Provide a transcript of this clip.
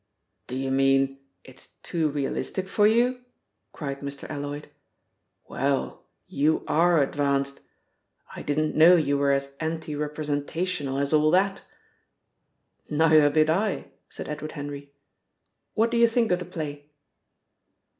"Do you mean it's too realistic for you?" cried Mr. Alloyd. "Well, you are advanced! I didn't know you were as anti representational as all that!" "Neither did I!" said Edward Henry. "What do you think of the play?"